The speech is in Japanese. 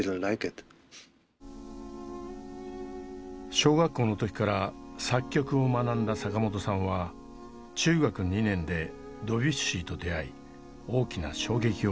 小学校の時から作曲を学んだ坂本さんは中学２年でドビュッシーと出会い大きな衝撃を受けました。